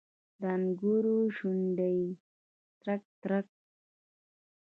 د انګورو شونډې ترک، ترک